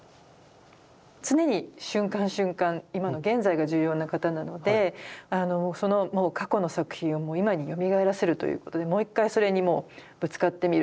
常に瞬間瞬間今の現在が重要な方なので過去の作品を今によみがえらせるということでもう一回それにぶつかってみる。